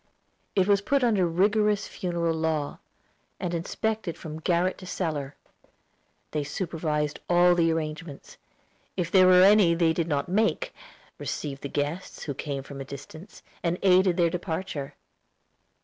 It was put under rigorous funeral law, and inspected from garret to cellar. They supervised all the arrangements, if there were any that they did not make, received the guests who came from a distance, and aided their departure.